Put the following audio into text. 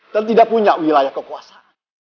tidak punya wilayah kekuasaan